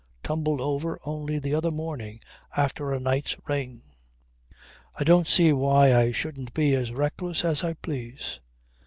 Tumbled over only the other morning after a night's rain." "I don't see why I shouldn't be as reckless as I please."